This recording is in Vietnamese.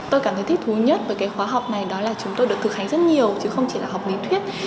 tôi cảm thấy thích thú nhất với cái khóa học này đó là chúng tôi được thực hành rất nhiều chứ không chỉ là học lý thuyết